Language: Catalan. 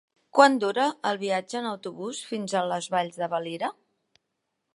Quant dura el viatge en autobús fins a les Valls de Valira?